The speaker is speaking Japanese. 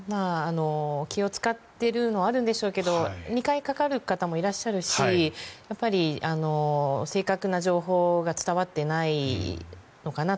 気を使っているのはあるんでしょうけど２回かかる方もいらっしゃるしやっぱり正確な情報が伝わっていないのかなと。